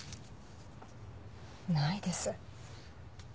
ないです。